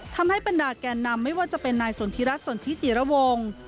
ทำให้บรรดาแกนนำไม่ว่าจะเป็นนายสนทิรัฐสนทิจิระวง